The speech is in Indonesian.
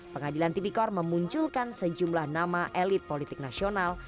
pengadilan tipikor memunculkan sejumlah nama elit politik nasional